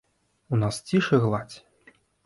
У нас ціш і гладзь.